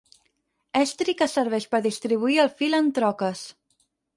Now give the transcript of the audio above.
Estri que serveix per distribuir el fil en troques.